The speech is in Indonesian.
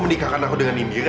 menikahkan aku dengan indira